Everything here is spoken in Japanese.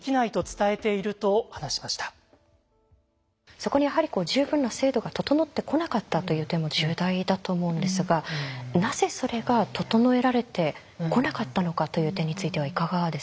そこにやはり十分な制度が整ってこなかったという点も重大だと思うんですがなぜそれが整えられてこなかったのかという点についてはいかがですか？